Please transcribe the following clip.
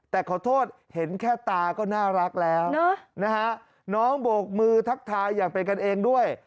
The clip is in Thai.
แต่ขอโทษเห็นแค่ตาก็น่ารักแล้วนะฮะน้องโบกมือทักทายอย่างเป็นกันเองด้วย